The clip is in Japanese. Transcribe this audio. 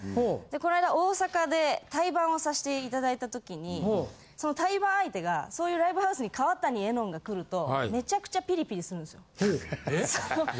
こないだ。をさしていただいたときにその対バン相手がそういうライブハウスに川谷絵音が来るとめちゃくちゃピリピリするんですよ。